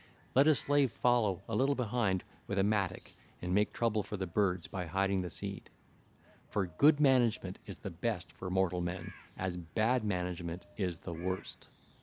Let a slave follow a little behind with a mattock and make trouble for the birds by hiding the seed; for good management is the best for mortal men as bad management is the worst.